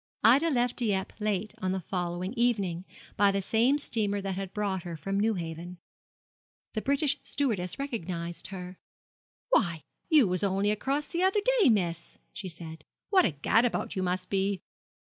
Ida left Dieppe late on the following evening, by the same steamer that had brought her from Newhaven. The British stewardess recognised her. 'Why, you was only across the other day, miss!' she said; 'what a gad about you must be!'